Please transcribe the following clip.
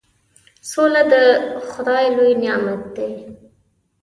سوله د خدای لوی نعمت دی.